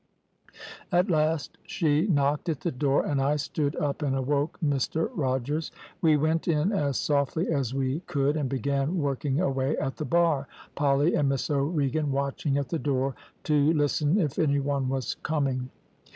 At last she knocked at the door, and I stood up and awoke Mr Rogers. We went in as softly as we could and began working away at the bar, Polly and Miss O'Regan watching at the door to listen if any one was coming.